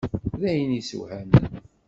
D ayen i issewhamen.